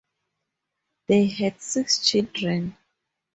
They had six children.